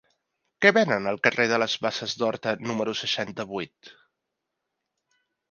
Què venen al carrer de les Basses d'Horta número seixanta-vuit?